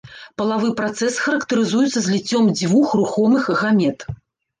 Палавы працэс характарызуецца зліццём дзвюх рухомых гамет.